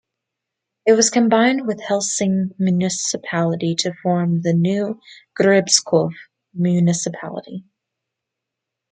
It was combined with Helsinge municipality to form the new Gribskov municipality.